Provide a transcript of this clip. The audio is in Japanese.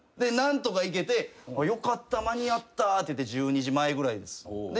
何とかいけてよかった間に合ったって言って１２時前ぐらいです。